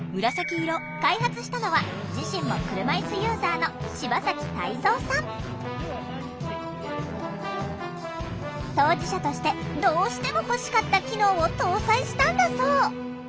開発したのは自身も車いすユーザーの当事者としてどうしても欲しかった機能を搭載したんだそう。